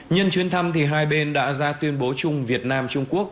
nhân chuyến thăm hai bên đã ra tuyên bố chung việt nam trung quốc